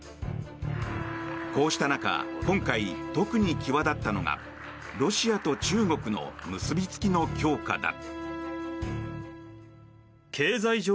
こうした中、今回特に際立ったのがロシアと中国の結び付きの強化だ。